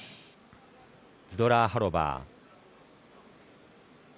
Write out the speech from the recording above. ズドラーハロバー。